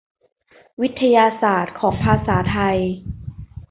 วิทยาศาสตร์ของภาษาไทย